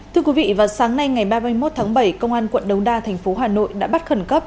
thưa quý vị vào sáng nay ngày ba mươi một tháng bảy công an quận đống đa thành phố hà nội đã bắt khẩn cấp